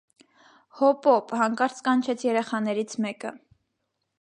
- Հո՜պոպ,- հանկարծ կանչեց երեխաներից մեկը: